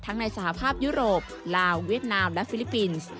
ในสหภาพยุโรปลาวเวียดนามและฟิลิปปินส์